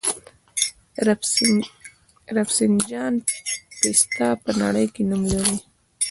د رفسنجان پسته په نړۍ کې نوم لري.